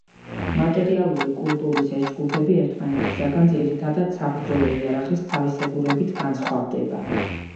მატერიალური კულტურის ეს ჯგუფები ერთმანეთისაგან ძირითადად საბრძოლო იარაღის თავისებურებით განსხვავდება.